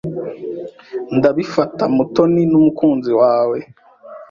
Ndabifata Mutoni numukunzi wawe.